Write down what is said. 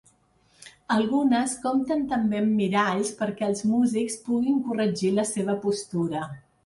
Algunes compten també amb miralls perquè els músics puguin corregir la seva postura.